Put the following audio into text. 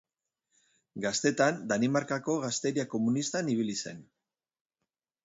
Gaztetan Danimarkako Gazteria Komunistan ibili zen.